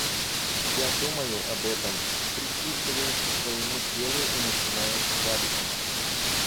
Я думаю об этом, прислушиваюсь к своему телу и начинаю пугаться.